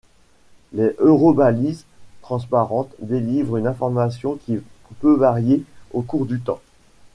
Les eurobalises transparentes délivrent une information qui peut varier au cours du temps.